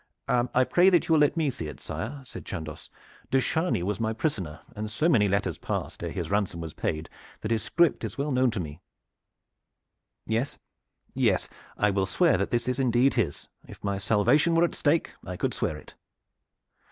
"I pray you that you will let me see it, sire," said Chandos. "De Chargny was my prisoner, and so many letters passed ere his ransom was paid that his script is well known to me. Yes, yes, I will swear that this is indeed his. If my salvation were at stake I could swear it."